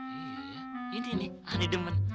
iya ini nih ani demen